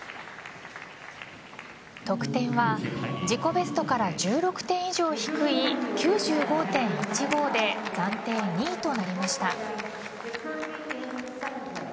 得点は自己ベストから１６点以上低い９５．１５で暫定２位となりました。